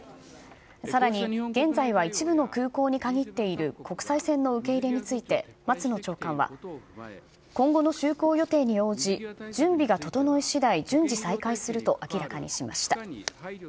さらに、現在は一部の空港に限っている国際線の受け入れについて、松野長官は、今後の就航予定に応じ、準備が整いしだい、順次再開すると明らかにしました。